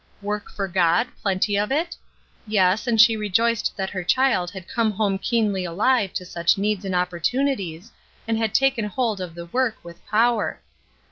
Work for God, plenty of it? Yes, and she rejoiced that her child had come home keenly alive to such needs and opportunities^ and had taken hold of the work with power.